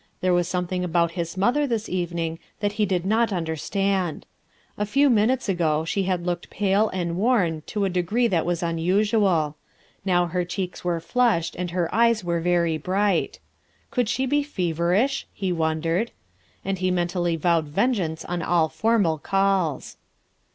There was something about his mother this evening that he did not understand. A few minutes ago she had looked pale and worn to a degree that was unusual ; now her checks were flushed and her eyes were very bright. Could she be feverish ? he wondered. And he mentally vowed vengeance on all formal calls.